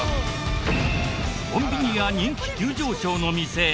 コンビニや人気急上昇の店